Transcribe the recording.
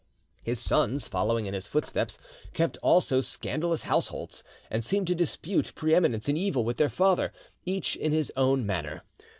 His sons, following in his footsteps, kept also scandalous households, and seemed to dispute preeminence in evil with their father, each in his own manner.